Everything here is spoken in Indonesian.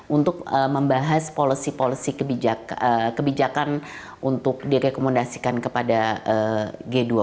untuk membahas policy policy kebijakan untuk direkomendasikan kepada g dua puluh